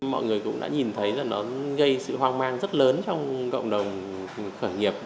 mọi người cũng đã nhìn thấy là nó gây sự hoang mang rất lớn trong cộng đồng khởi nghiệp